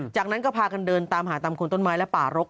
จากนั้นก็พากันเดินตามหาตามคนต้นไม้และป่ารก